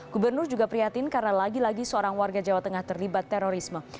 gubernur juga prihatin karena lagi lagi seorang warga jawa tengah terlibat terorisme